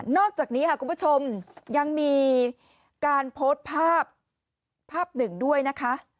นอกจากนี้คุณผู้ชมยังมีการโพสภาพ๑ด้วยนะคะ